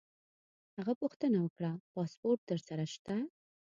هغه پوښتنه وکړه: پاسپورټ در سره شته؟